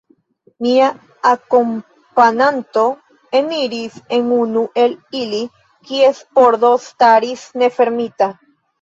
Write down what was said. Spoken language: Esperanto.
Mia akompananto eniris en unu el ili, kies pordo staris nefermita.